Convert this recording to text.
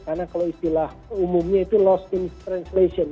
karena kalau istilah umumnya itu lost in translation